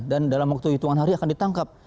dan dalam waktu hitungan hari akan ditangkap